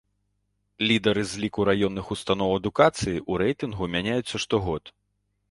Лідары з ліку раённых устаноў адукацыі ў рэйтынгу мяняюцца штогод.